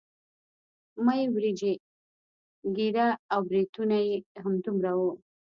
مۍ وريجې ږيره او برېتونه يې همدومره وو.